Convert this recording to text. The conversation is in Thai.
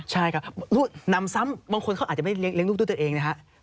ใช่ครับนำซ้ำบางคนเขาอาจจะไม่เลี้ยงลูกด้วยตัวเองนะฮะ